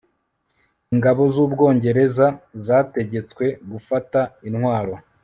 ingabo z'ubwongereza zategetswe gufata intwaro